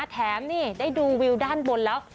แถมนี่ได้ดูวิวด้านบนแล้ว